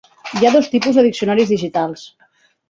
Hi ha dos tipus de diccionaris digitals.